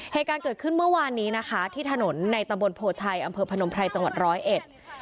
เหตุการณ์เกิดขึ้นเมื่อวานนี้นะคะที่ถนนในตำบลโพชัยอำเภอพนมไพรจังหวัดร้อยเอ็ด